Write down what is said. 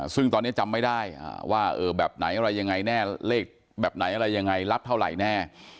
ซึ่งตอนนี้จำไม่ได้ว่าแบบไหนอะไรยังไงแน่เลขแบบไหนอะไรยังไงรับเท่าไหร่แน่